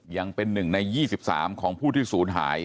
ยังเป็น๑ใน๒๓ของผู้ที่ศูนย์หาย